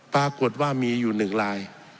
ปรากฏว่ามีอยู่หนึ่งลาย